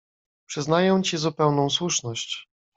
"Przyznaję ci zupełną słuszność."